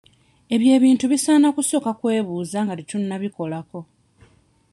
Ebyo ebintu bisaana kusooka kwebuuza nga tetunnabikolako.